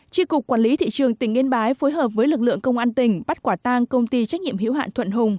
tri cục quản lý thị trường tỉnh yên bái phối hợp với lực lượng công an tỉnh bắt quả tang công ty trách nhiệm hiểu hạn thuận hùng